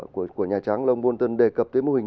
của nhà tráng long bôn tân đề cập tới mô hình